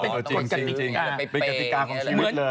เป็นกรรติกาของชีวิตเลย